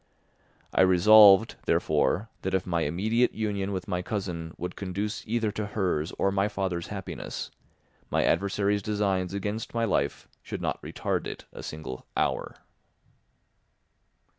I resolved, therefore, that if my immediate union with my cousin would conduce either to hers or my father's happiness, my adversary's designs against my life should not retard it a single hour.